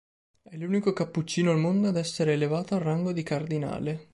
È l'unico cappuccino al mondo ad essere elevato al rango di cardinale.